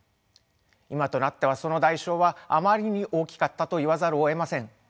今となってはその代償はあまりに大きかったといわざるをえません。